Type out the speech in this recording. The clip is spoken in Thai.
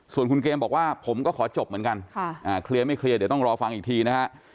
ส่วนคุณเกมบอกว่าผมก็ขอจบเหมือนกันเคลียร์ไม่เคลียร์เดี๋ยวต้องรอฟังอีกทีนะฮะ